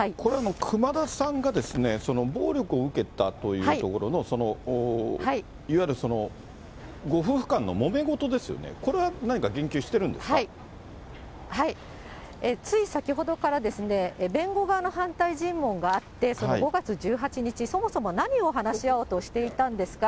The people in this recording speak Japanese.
熊田さんが、暴力を受けたというところの、いわゆるご夫婦間のもめ事ですよね、これは何か言及してるんですつい先ほどから、弁護側の反対尋問があって、５月１８日、そもそも何を話し合おうとしていたんですか？